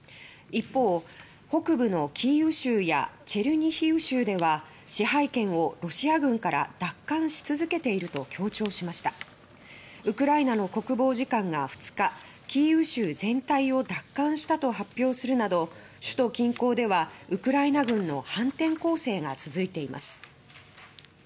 一方、北部のキーウ州やチェルニヒウ州では支配権をロシア軍から奪還し続けていると強調しましたウクライナの国防次官が２日キーウ州全域を奪還したと発表するなど首都近郊ではウクライナ軍の反転攻勢が続いています。